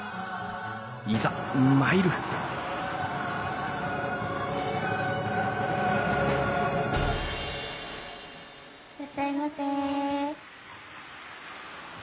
いざ参るいらっしゃいませ。